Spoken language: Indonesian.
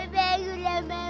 bangun lah mama